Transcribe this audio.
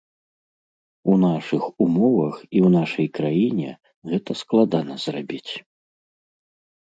У нашых умовах і ў нашай краіне гэта складана зрабіць.